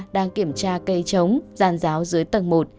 đang kiểm tra cây trống giàn giáo dưới tầng một